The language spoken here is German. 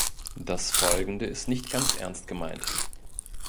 Das Folgende ist nicht ganz ernst gemeint.